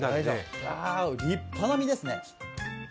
立派な身ですね。